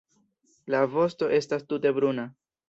La vosto estas tute bruna.